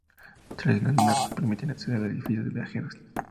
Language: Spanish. Tres grandes arcos permiten acceder al edificio de viajeros.